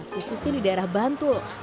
khususnya di daerah bantul